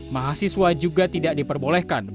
mahasiswa juga tidak diperbolehkan